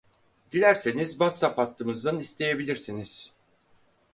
Dilerseniz WhatsApp hattımızdan isteyebilirsiniz